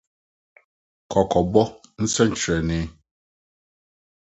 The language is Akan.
Kɔkɔbɔ Nsɛnkyerɛnne